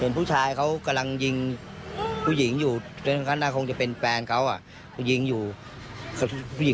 ก็ไม่ได้ยินเสียงของทั้งคู่ทะเลาะกันแต่อย่างใด